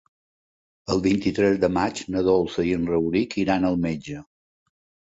El vint-i-tres de maig na Dolça i en Rauric iran al metge.